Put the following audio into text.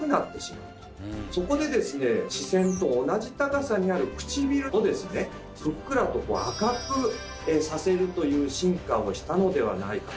視線と同じ高さにあるくちびるをふっくらと赤くさせるという進化をしたのではないか。